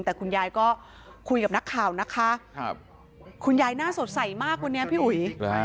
แต่คุณยายก็คุยกับนักข่าวนะคะคุณยายน่าสดใสมากวันนี้พี่อุ๋ย